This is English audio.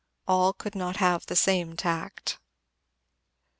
All could not have the same tact.